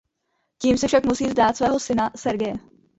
Tím se však musí vzdát svého syna Sergeje.